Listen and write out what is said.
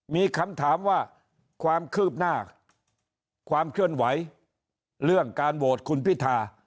มีคำถามว่าความคืบหน้าความเคลื่อนไหวเรื่องการโหวตคุณพิธา